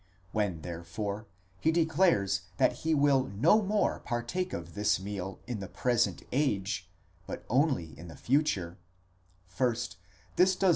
When therefore he declares that he will no more partake of this meal in the present age, αἰὼν, but only in the future ; first, this does.